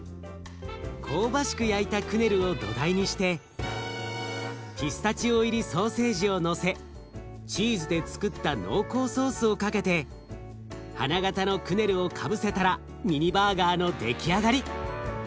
香ばしく焼いたクネルを土台にしてピスタチオ入りソーセージをのせチーズでつくった濃厚ソースをかけて花形のクネルをかぶせたらミニバーガーの出来上がり。